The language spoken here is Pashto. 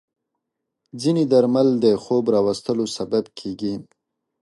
ځینې درمل د خوب راوستلو سبب کېږي.